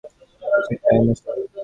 আমি কিছু চাই না স্যার।